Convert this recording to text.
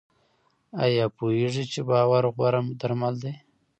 ایا پوهیږئ چې باور غوره درمل دی؟